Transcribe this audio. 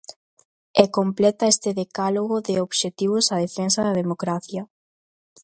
E completa este decálogo de obxectivos a defensa da democracia.